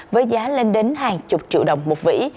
với giá lên đến hàng chục triệu đồng một vỉ